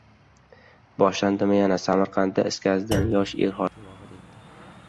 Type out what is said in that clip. Boshlandimi yana? Samarqandda is gazidan yosh er-xotin vafot etdi